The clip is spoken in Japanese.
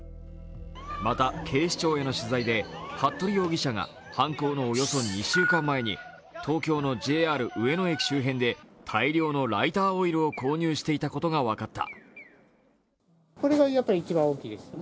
また警視庁への取材で服部容疑者が犯行のおよそ２週間前に東京のＪＲ上野駅周辺で大量のライターオイルを購入していたことが分かった。